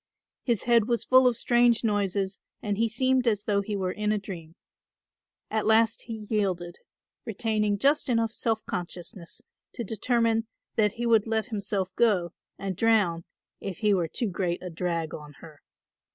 His head was full of strange noises and he seemed as though he were in a dream. At last he yielded, retaining just enough self consciousness to determine that he would let himself go, and drown, if he were too great a drag on her.